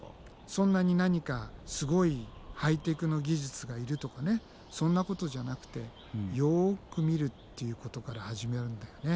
そんなに何かすごいハイテクの技術がいるとかねそんなことじゃなくてよく見るっていうことから始めるんだよね。